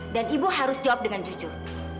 dan ibu harus jawab dengan jujur